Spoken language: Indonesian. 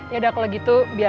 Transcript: yaudah kalau gitu biar